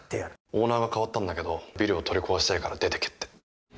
オーナーが代わったんだけどビルを取り壊したいから出ていけって。